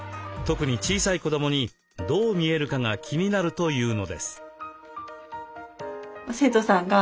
特に小さい子どもにどう見えるかが気になるというのです。